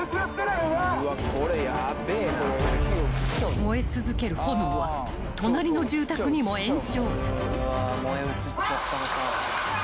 ［燃え続ける炎は隣の住宅にも延焼］